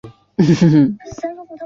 以清末为剧集背景。